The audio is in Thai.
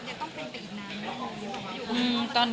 อย่างนี้คิดว่ามันยังต้องเป็นไปอีกนานไหม